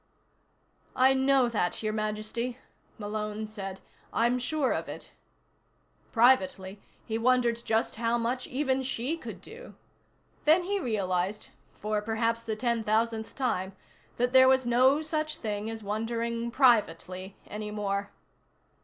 "I know that, Your Majesty," Malone said. "I'm sure of it." Privately, he wondered just how much even she could do. Then he realized for perhaps the ten thousandth time that there was no such thing as wondering privately any more.